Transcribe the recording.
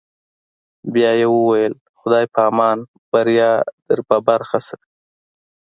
بیا یې وویل: خدای په امان، بریا در په برخه شه.